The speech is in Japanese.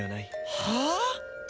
はあ！？